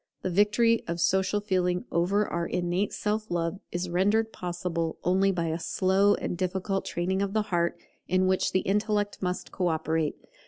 The victory of Social Feeling over our innate Self love is rendered possible only by a slow and difficult training of the heart, in which the intellect must co operate.